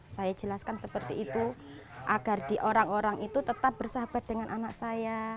saya jelaskan seperti itu agar di orang orang itu tetap bersahabat dengan anak saya